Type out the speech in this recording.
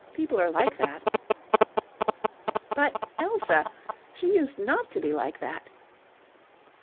People are like that." "But Elsa... She used not to be like that."